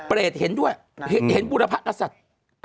เห็นด้วยเห็นบุรพกษัตริย์